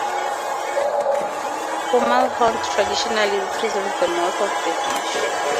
Fomalhaut traditionally represents the mouth of the fish.